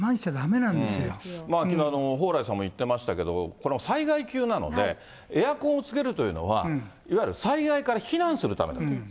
きのう、蓬莱さんも言ってましたけど、この災害級なので、エアコンつけるというのは、いわゆる災害から避難するためだと。